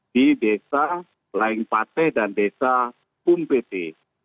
di desa laingpate dan desa pumpepe